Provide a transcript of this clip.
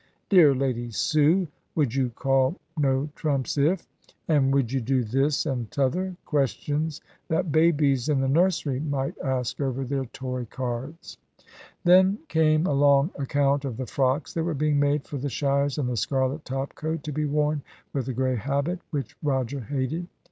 'Dear Lady Sue, would you call no trumps if?' and would you do this and t'other? questions that babies in the nursery might ask over their toy cards." Then came a long account of the frocks that were being made for the shires, and the scarlet top coat to be worn with a grey habit, which Roger hated.